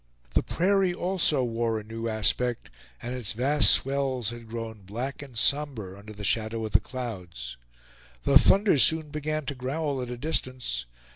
The prairie also wore a new aspect, and its vast swells had grown black and somber under the shadow of the clouds. The thunder soon began to growl at a distance.